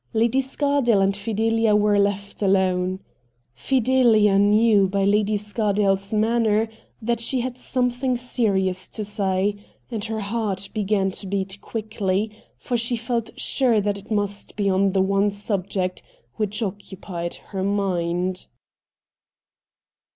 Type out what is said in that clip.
Lady Scardale and Fideha were left alone. Fidelia knew by Lady Scardale's manner that she had something serious to say, and her heart began to beat quickly, for she felt sure that it must be on the one subject which occupied her mind.